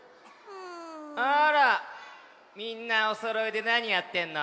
あらみんなおそろいでなにやってんの？